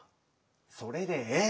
それでええ。